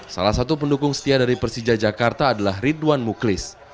salah satu pendukung setia dari persija jakarta adalah ridwan muklis